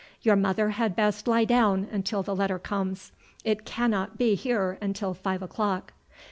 Your mother had best lie down until the letter comes; it cannot be here until five o'clock."